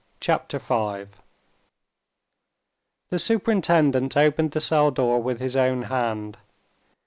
CHAPTER V The superintendent opened the cell door with his own hand.